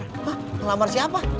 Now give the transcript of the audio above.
hah ngelamar siapa